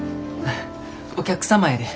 お客様やで。